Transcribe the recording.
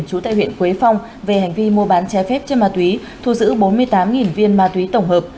chú tệ huyện quế phong về hành vi mua bán trái phép chất ma túy thu giữ bốn mươi tám viên ma túy tổng hợp